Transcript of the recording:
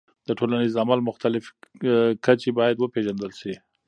د ټولنیز عمل مختلف کچې باید وپیژندل سي.